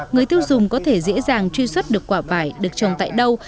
người tiêu dùng có thể dễ dàng truy xuất được quả vải được trồng tại đâu